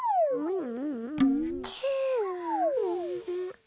うん？